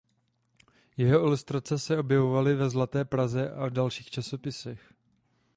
Jeho ilustrace se objevovaly ve Zlaté Praze a dalších časopisech.